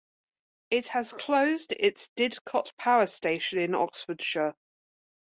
It has closed its Didcot Power Station in Oxfordshire.